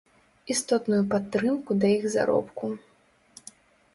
Істотную падтрымку да іх заробку.